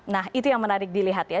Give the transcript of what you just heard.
nah itu yang menarik dilihat ya